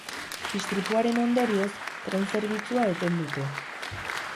Istripuaren ondorioz, tren zerbitzua eten dute.